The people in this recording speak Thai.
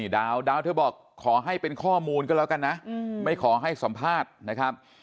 ดาวเธอบอกขอให้เป็นข้อมูลก็แล้วกันนะไม่ขอให้สัมภาษณ์นะครับ